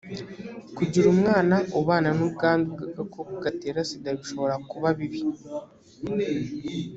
kugira umwana ubana n’ ubwandu bw agakoko gatera sida bishobora kuba bibi.